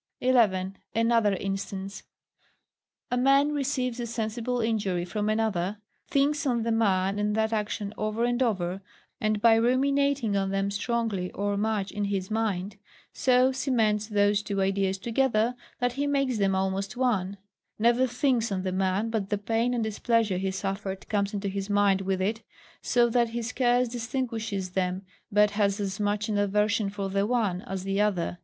11. Another instance. A man receives a sensible injury from another, thinks on the man and that action over and over, and by ruminating on them strongly, or much, in his mind, so cements those two ideas together, that he makes them almost one; never thinks on the man, but the pain and displeasure he suffered comes into his mind with it, so that he scarce distinguishes them, but has as much an aversion for the one as the other.